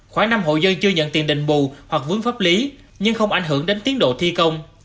khoảng năm hộ dân chưa nhận tiền định bù hoặc vướng pháp lý nhưng không ảnh hưởng đến tiến độ thi công